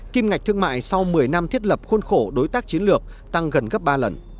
kim ngạch thương mại sau một mươi năm thiết lập khuôn khổ đối tác chiến lược tăng gần gấp ba lần